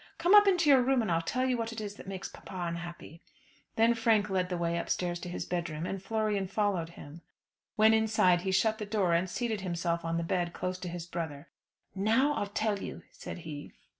Come up into your room, and I'll tell you what it is that makes papa unhappy." Then Frank led the way upstairs to his bedroom, and Florian followed him. When inside he shut the door, and seated himself on the bed close to his brother. "Now I'll tell you," said he.